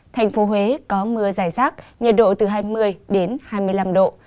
thành phố huế có mưa dài rác nhiệt độ từ hai mươi đến hai mươi năm độ